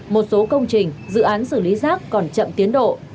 một số công trình dự án xử lý rác còn chậm tiến độ